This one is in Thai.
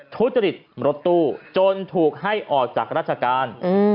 ทุจริตรถตู้จนถูกให้ออกจากราชการ